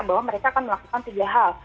bahwa mereka akan melakukan tiga hal